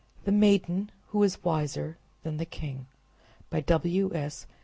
THE MAIDEN WHO WAS WISER THAN THE KING By W. S.